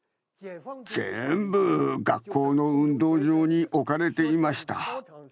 全部学校の運動場に置かれていました。